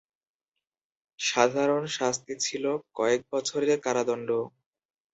সাধারণ শাস্তি ছিল কয়েক বছরের কারাদণ্ড।